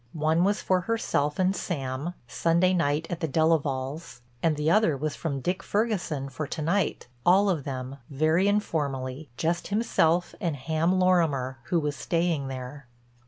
One was for herself and Sam—Sunday night at the Delavalles—and the other was from Dick Ferguson for to night—all of them, very informally—just himself and Ham Lorimer who was staying there.